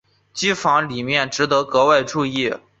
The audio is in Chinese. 机房的立面值得格外注意。